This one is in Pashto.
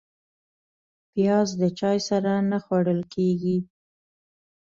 پیاز د چای سره نه خوړل کېږي